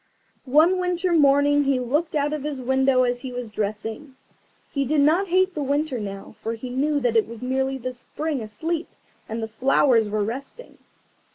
One winter morning he looked out of his window as he was dressing. He did not hate the Winter now, for he knew that it was merely the Spring asleep, and that the flowers were resting.